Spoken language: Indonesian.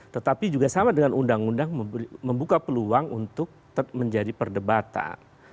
tetapi juga sama dengan undang undang membuka peluang untuk menjadi perdebatan